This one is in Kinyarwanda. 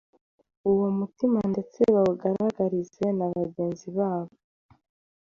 uwo mutima ndetse bawugaragarize na bagenzi babo.